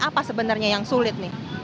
apa sebenarnya yang sulit nih